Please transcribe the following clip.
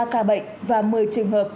một mươi ba ca bệnh và một mươi trường hợp